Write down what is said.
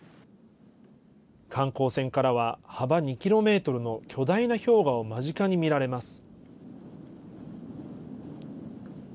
観光船からは、幅２キロメートルの巨大な氷河を間近に見られます。